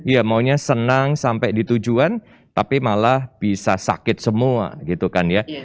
ya maunya senang sampai di tujuan tapi malah bisa sakit semua gitu kan ya